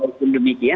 kalau begitu demikian